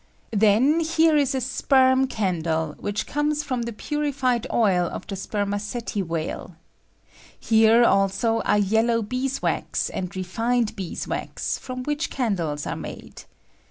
Then here ^^^K ia a, aperm candle, which comes from the puri ^^^B fied oil of the spermaceti whale. Here, also, are ^^^P yellow bees' wax and refined bees' wax, from ^^V which candles are made.